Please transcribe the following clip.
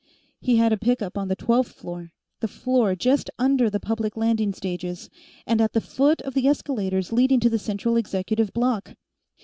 He had a pickup on the twelfth floor, the floor just under the public landing stages, and at the foot of the escalators leading to the central executive block.